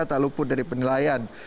terluput dari penilaian